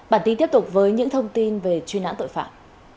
bản tin tiếp tục với những thông tin về truy nã tội phạm